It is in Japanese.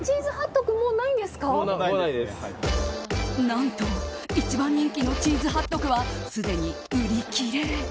何と、一番人気のチーズハットグはすでに売り切れ。